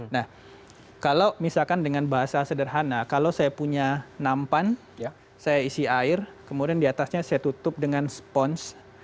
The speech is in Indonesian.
nah kalau misalkan dengan bahasa sederhana kalau saya punya nampan saya isi air kemudian diatasnya saya tutup dengan sponge